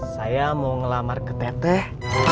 saya mau ngelamar ke teteh